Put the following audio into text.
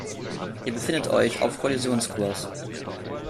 Ihr befindet euch auf Kollisionskurs.